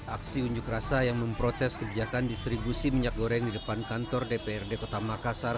aksi unjuk rasa yang memprotes kebijakan distribusi minyak goreng di depan kantor dprd kota makassar